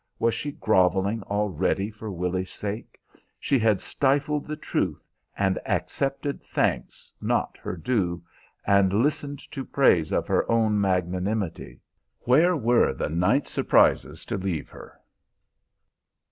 Was she groveling already for Willy's sake? She had stifled the truth, and accepted thanks not her due, and listened to praise of her own magnanimity. Where were the night's surprises to leave her?